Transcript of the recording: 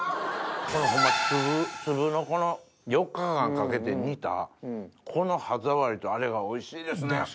このホンマ粒のこの４日間かけて煮たこの歯触りとあれがおいしいですね。